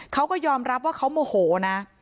เขาก็ยอมรับว่าเขาโมโหนะ